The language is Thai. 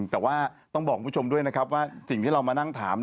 แต่ว่าต้องบอกคุณผู้ชมด้วยนะครับว่าสิ่งที่เรามานั่งถาม